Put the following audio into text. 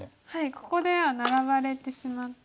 ここではナラばれてしまって。